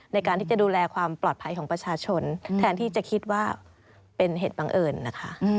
ในการที่จะดูแลความปลอดภัยของประชาชนแทนที่จะคิดว่าเป็นเหตุบังเอิญนะคะ